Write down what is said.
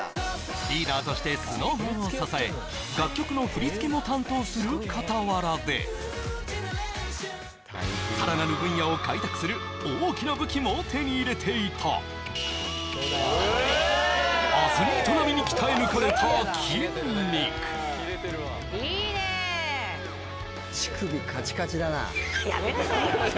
リーダーとしてＳｎｏｗＭａｎを支え楽曲の振り付けも担当するかたわらでさらなる分野を開拓する大きな武器も手に入れていたアスリート並みに鍛え抜かれた筋肉いいね乳首カチカチだなやめなさいよ